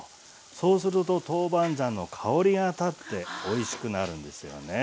そうすると豆板醤の香りが立っておいしくなるんですよね。